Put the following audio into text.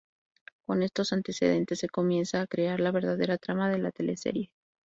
Con estos antecedentes se comienza a crear la verdadera trama de la teleserie.